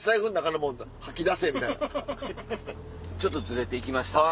ちょっとずれて行きましたね。